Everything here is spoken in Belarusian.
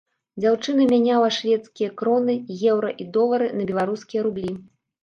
Дзяўчына мяняла шведскія кроны, еўра і долары на беларускія рублі.